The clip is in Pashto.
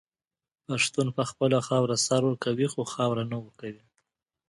پښتون په خپله خاوره سر ورکوي خو خاوره نه ورکوي.